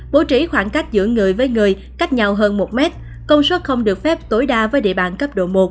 bố trí khoảng cách giữa người với người cách nhau hơn một mét công suất không được phép tối đa với địa bàn cấp độ một